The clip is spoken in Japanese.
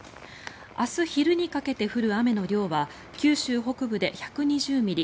明日昼にかけて降る雨の量は九州北部で１２０ミリ